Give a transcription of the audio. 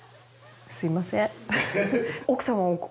すいません。